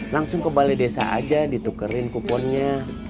langsung ke balai desa aja ditukerin kuponnya